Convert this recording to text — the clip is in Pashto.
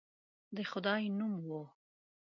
د خدای نوم وو.